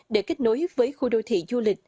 để kết nối với khu đô thị du lịch